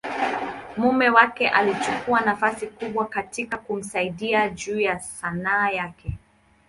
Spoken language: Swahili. mume wake alichukua nafasi kubwa katika kumsaidia juu ya Sanaa yake.